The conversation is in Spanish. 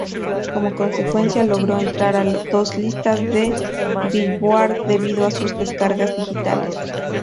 Como consecuencia logró entrar a dos listas de "Billboard" debido a sus descargas digitales.